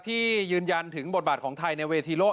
ที่ยืนยันถึงบทบาทของไทยในเวทีโลก